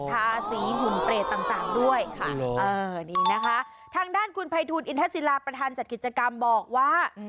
ทาสีหุ่นเปรตต่างด้วยค่ะเออนี่นะคะทางด้านคุณภัยทูลอินทศิลาประธานจัดกิจกรรมบอกว่า